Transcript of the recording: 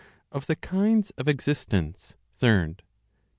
Of the Kinds of Existence, Third.